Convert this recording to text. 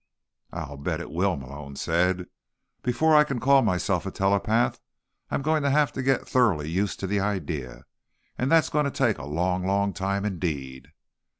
"I'll bet it will," Malone said. "Before I can call myself a telepath I'm going to have to get thoroughly used to the idea. And that's going to take a long, long time indeed."